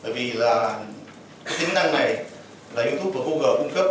bởi vì là tính năng này là youtube và google cung cấp